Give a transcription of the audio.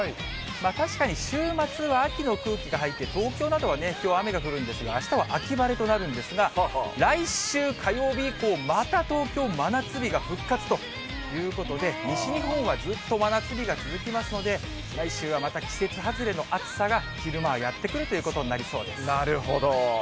確かに週末は秋の空気が入って、東京などはきょう雨が降るんですが、あしたは秋晴れとなるんですが、来週火曜日以降、また東京、真夏日が復活ということで、西日本はずっと真夏日が続きますので、来週はまた季節外れの暑さが昼間はやって来るということになりそなるほど。